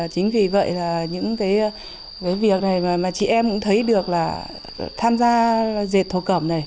chính vì vậy là những cái việc này mà chị em cũng thấy được là tham gia dệt thổ cẩm này